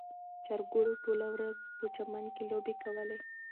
چرګوړو ټوله ورځ په چمن کې لوبې کولې.